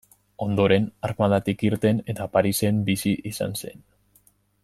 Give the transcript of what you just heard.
Ondoren, armadatik irten eta Parisen bizi izan zen.